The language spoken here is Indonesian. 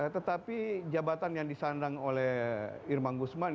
tetapi jabatan yang disandang oleh irman gusman